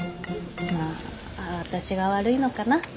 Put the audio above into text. まあ私が悪いのかな。